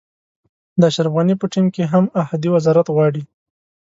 د اشرف غني په ټیم کې هم احدي وزارت غواړي.